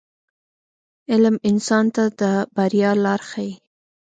• علم انسان ته د بریا لار ښیي.